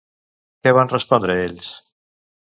Què van respondre ells?